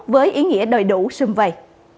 với ý nghĩa đầy đủ xưng vầy